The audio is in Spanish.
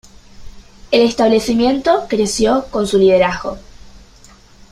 El establecimiento creció con su liderazgo.